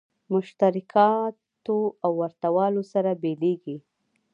مشترکاتو او ورته والو سره بېلېږي.